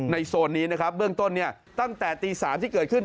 ในโซนนี้เบื้องต้นตั้งแต่ตี๓ที่เกิดขึ้น